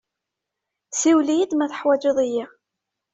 Siwel-iyi-d ma teḥwaǧeḍ-iyi.